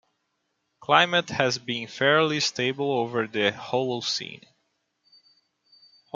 Climate has been fairly stable over the Holocene.